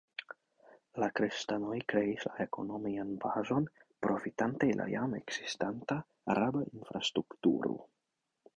La kristanoj kreis la ekonomian bazon profitante la jam ekzistanta araba infrastrukturo.